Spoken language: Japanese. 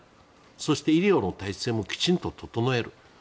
そして、医療の体制もきちんと整える。